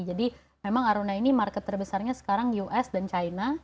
jadi memang aruna ini market terbesarnya sekarang us dan china